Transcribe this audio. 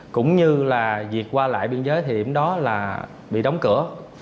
cũng như là việc qua lại biên giới thì hôm đó là bị đóng cửa